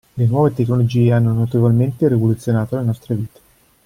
Le nuove tecnologie hanno notevolmente rivoluzionato le nostre vite.